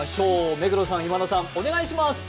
目黒さん、今田さん、お願いします。